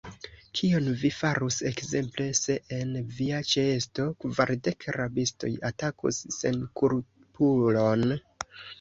Kion vi farus, ekzemple, se en via ĉeesto kvardek rabistoj atakus senkulpulon?